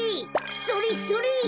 それそれ！